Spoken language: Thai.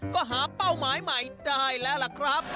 ก็หาเป้าหมายใหม่ได้แล้วล่ะครับ